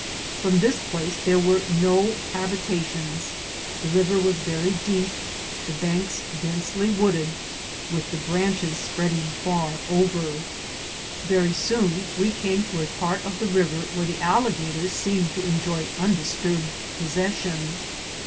From this place there were no habitations ; the river was very deep, the banks densely wooded, with the branches spreading far over. 382 INCIDENTS OP TRAVEL. Very soon we came to a part of the river 'where the alligators seemed to enjoy undisturbed possession.